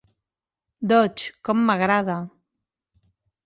Dodge, com m"agrada.